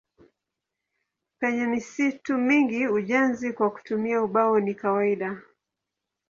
Penye misitu mingi ujenzi kwa kutumia ubao ni kawaida.